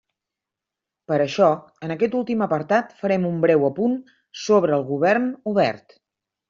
Per això, en aquest últim apartat farem un breu apunt sobre el Govern Obert.